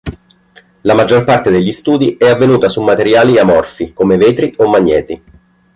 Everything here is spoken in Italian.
La maggior parte degli studi è avvenuta su materiali amorfi come vetri o magneti.